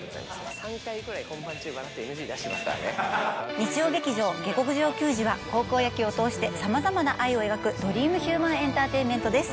日曜劇場『下剋上球児』は高校野球を通してさまざまな愛を描くドリームヒューマンエンターテインメントです。